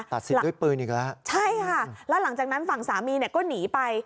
ตัดสินด้วยปืนอีกแล้วใช่ค่ะแล้วหลังจากนั้นฝั่งสามีเนี่ยก็หนีไป